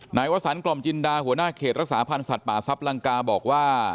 วสันกล่อมจินดาหัวหน้าเขตรักษาพันธ์สัตว์ป่าซับลังกาบอกว่า